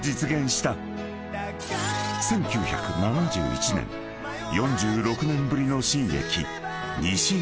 ［１９７１年４６年ぶりの新駅］